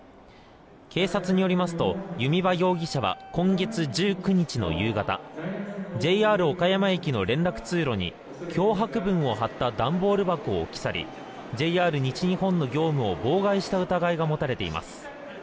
警察によりますと弓場容疑者は今月１９日の夕方ＪＲ岡山駅の連絡通路に脅迫文を貼った段ボール箱を置き去りＪＲ西日本の業務を妨害した疑いが持たれています。